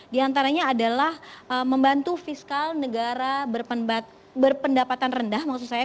di antaranya adalah membantu fiskal negara berpendapatan rendah maksud saya